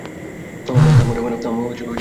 থাম, রাম্যারা।